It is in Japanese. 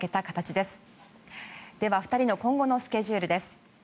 では、２人の今後のスケジュールです。